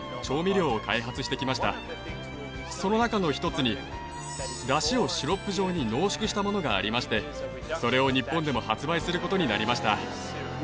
その中の１つに出汁をシロップ状に濃縮したものがありましてそれを日本でも発売することになりました。